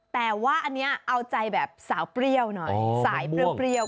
แต่ว่าอันนี้เอาใจแบบสาวเปรี้ยวหน่อย